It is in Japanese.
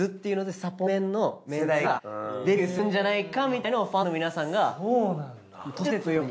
サポメンのメンツがデビューするんじゃないかみたいのをファンの皆さんが都市伝説のように。